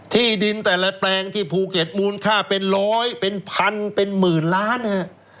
ที่ดินแต่ละแปลงที่ภูเก็ตมูลค่าเป็นร้อยเป็นพันเป็นหมื่นล้านฮะ